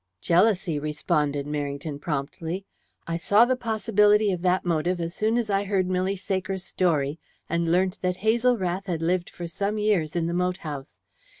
"Jealousy," responded Merrington promptly. "I saw the possibility of that motive as soon as I heard Milly Saker's story, and learnt that Hazel Rath had lived for some years in the moat house.